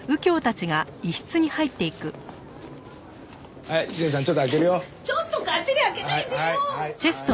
ちょっと勝手に開けないでよ！